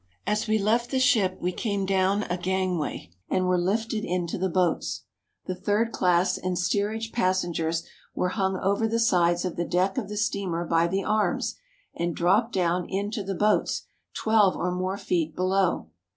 As we left the ship we came down a gangway and were lifted into the boats. The third class and steerage pas sengers were hung over the sides of the deck of the steamer by the arms, and dropped down into the boats, twelve or more feet below.